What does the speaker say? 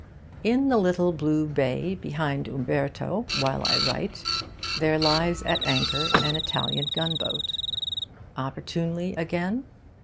In the little blue bay behind Umberto, while I write, there lies at anchor an Italian gunboat. Opportunely again?